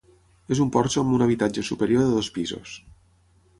És un porxo amb un habitatge superior de dos pisos.